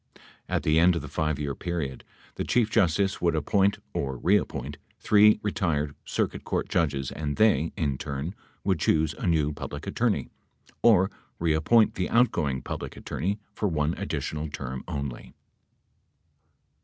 At the end of the 5 year period, the Chief Justice would appoint (or reappoint) three retired circuit court judges and they, in turn, would choose a new Public Attorney, or reappoint the outgoing Public Attorney for one additional term only.